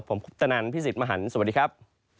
ผมคุปตนันพี่สิทธิ์มหันฯสวัสดีครับ